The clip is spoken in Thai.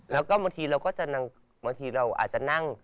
แล้วก็บางทีเราก็จะนั่งบางทีเราอาจจะนั่ง